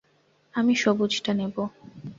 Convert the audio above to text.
আমি সবুজটা নেবো।